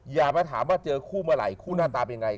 อย่ามาถามว่าเจอคู่เมื่อไหร่คู่หน้าตาเป็นยังไง